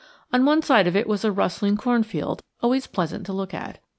On one side of it was a rustling cornfield always pleasant to look at.